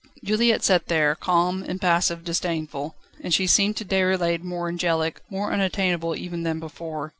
Juliette sat there, calm, impassive, disdainful, and she seemed to Déroulède more angelic, more unattainable even than before.